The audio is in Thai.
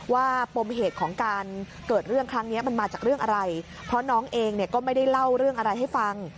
ปมเหตุของการเกิดเรื่องครั้งนี้มันมาจากเรื่องอะไรเพราะน้องเองเนี่ยก็ไม่ได้เล่าเรื่องอะไรให้ฟัง